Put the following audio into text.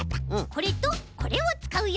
これとこれをつかうよ。